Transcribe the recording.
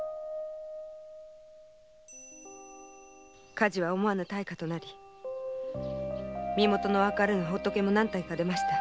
火事は思わぬ大火となり身もとのわからぬ仏も何体か出ました。